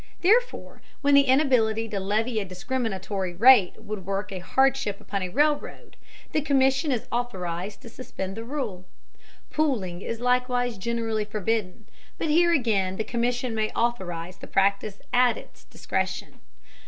Therefore, when the inability to levy a discriminatory rate would work a hardship upon a railroad, the Commission is authorized to suspend the rule. Pooling is likewise generally forbidden, but here again the Commission may authorize the practice at its discretion.